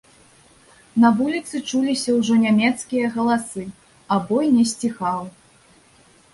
На вуліцы чуліся ўжо нямецкія галасы, а бой не сціхаў.